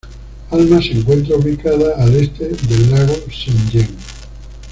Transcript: Alma se encuentra ubicada al este del lago Saint-Jean.